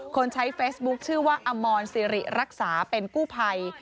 ใช้เฟซบุ๊คชื่อว่าอมรสิริรักษาเป็นกู้ภัย